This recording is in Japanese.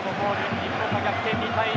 日本が逆転、２対１。